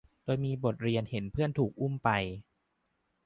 โดยมีบทเรียนเห็นเพื่อนถูกอุ้มไป